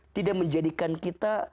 tidak menjadikan kita